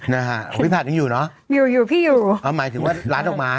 นะฮะพี่ผัดยังอยู่เนอะอยู่อยู่พี่อยู่อ๋อหมายถึงว่าร้านออกมา